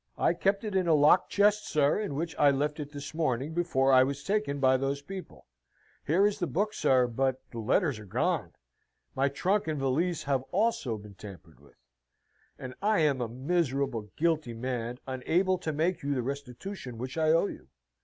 "I kept it in a locked chest, sir, in which I left it this morning before I was taken by those people. Here is the book, sir, but the letters are gone. My trunk and valise have also been tampered with. And I am a miserable, guilty man, unable to make you the restitution which I owe you."